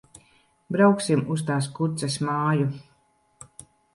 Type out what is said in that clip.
Brauksim uz tās kuces māju.